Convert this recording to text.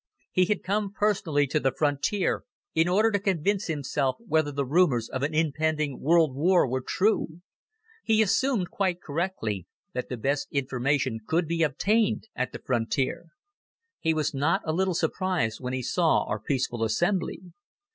He had come personally to the frontier in order to convince himself whether the rumors of an impending world war were true. He assumed, quite correctly, that the best information could be obtained at the frontier. He was not a little surprised when he saw our peaceful assembly.